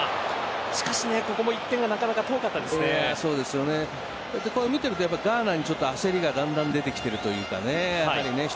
しかし、ここも１点が見てるとガーナに焦りがだんだん出てきているというかね。